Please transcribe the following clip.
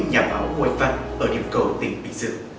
nhà báo ngôi văn ở điểm cầu tỉnh bình dương